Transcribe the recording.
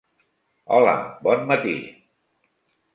Hola, bon matí.